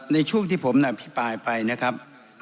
ในช่วงที่ผมอภิปรายไปนะครับ